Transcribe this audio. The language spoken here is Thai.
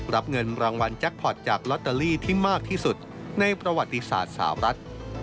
รับเงินรางวัลแจ็คพอร์ตจากลอตเตอรี่ที่มากที่สุดในประวัติศาสตร์สาวรัฐ